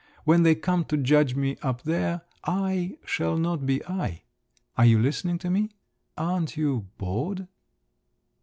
When they come to judge me up there, I shall not be I! Are you listening to me? Aren't you bored?"